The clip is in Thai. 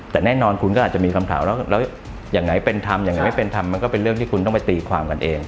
แต่แน่นอนคุณก็อาจจะมีคำถามแล้วอย่างไหนเป็นธรรมอย่างไหนไม่เป็นธรรมมันก็เป็นเรื่องที่คุณต้องไปตีความกันเอง